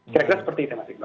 kira kira seperti itu mas iqbal